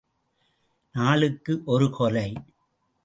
நாளுக்கு ஒரு கொலை!